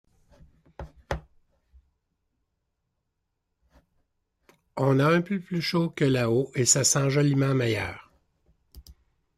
On a un peu plus chaud que là-haut, et ça sent joliment meilleur!